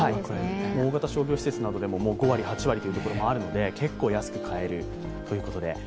大型商業施設などでも５割、８割というところもあるので結構安く買えるということで。